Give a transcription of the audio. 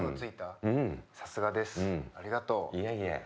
いえいえ。